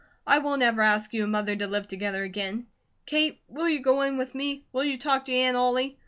I won't ever ask you and Mother to live together again. Kate, will you go in with me? Will you talk to Aunt Ollie?